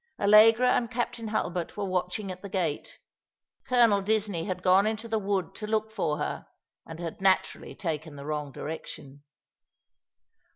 Allegra and Captain Hulbert were watching at the gate. Colonel Disney had gone into the wood to look for her, and had naturally taken the wrong direction.